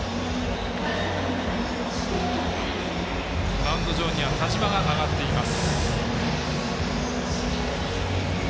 マウンド上には田島が上がっています。